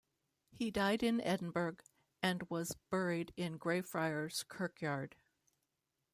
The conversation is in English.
He died in Edinburgh and was buried in Greyfriars Kirkyard.